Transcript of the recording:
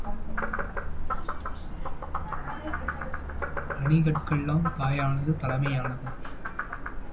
அணிகட்கெல்லாம் தாயானதும் தலைமையானதும்